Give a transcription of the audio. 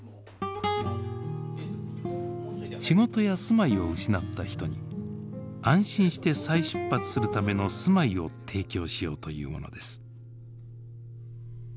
仕事や住まいを失った人に安心して再出発するための住まいを提供しようというものです。